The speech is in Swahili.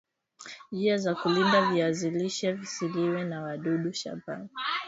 Njia za kulinda viazi lishe visiliwe na wadudu shambani